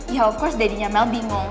ya of course dadinya mel bingung